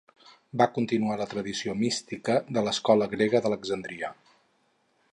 Va continuar la tradició mística de l'escola grega d'Alexandria.